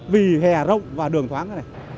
vì hè rộng và đường thoáng